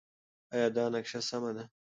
ایا دا نقشه سمه ده؟